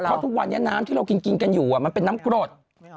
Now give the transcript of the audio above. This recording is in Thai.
เพราะทุกวันนี้น้ำที่เรากินกันอยู่มันเป็นน้ำกรด